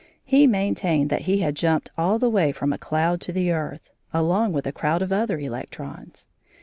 He maintained that he had jumped all the way from a cloud to the earth, along with a crowd of other electrons.